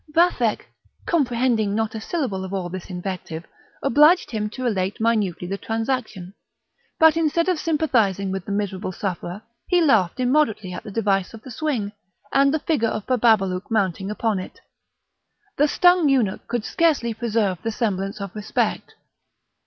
Vathek, comprehending not a syllable of all this invective, obliged him to relate minutely the transaction; but instead of sympathising with the miserable sufferer, he laughed immoderately at the device of the swing, and the figure of Bababalouk mounting upon it. The stung eunuch could scarcely preserve the semblance of respect.